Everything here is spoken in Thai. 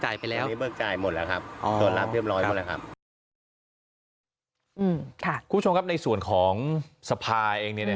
จ่ายไปแล้วบึกจ่ายหมดละครับเที่ยวกราฟคุณของสรรพาห์เอง